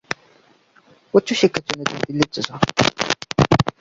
উচ্চশিক্ষার জন্য তিনি দিল্লীতে যান।